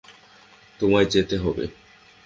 তোমায় যেতে হবে।